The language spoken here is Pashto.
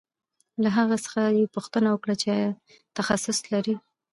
له هغه څخه یې پوښتنه وکړه چې آیا تخصص لرې